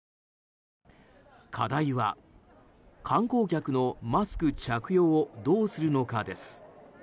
課題は、観光客のマスク着用をどうするのかです。